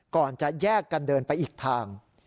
ก่อนจะแยกกันเดินไปอีกทาง